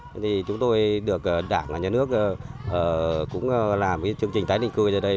thế thì chúng tôi được đảng nhà nước cũng làm cái chương trình tái định cư cho đây